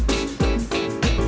terima kasih bang